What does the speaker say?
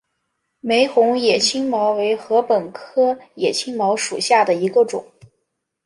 玫红野青茅为禾本科野青茅属下的一个种。